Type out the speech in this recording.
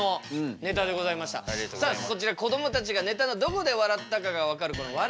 さあそちらこどもたちがネタのどこで笑ったかが分かるこの笑